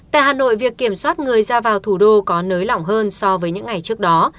tại hà nội việc kiểm soát người ra vào thủ đô có nới lỏng hơn so với những ngày trước đó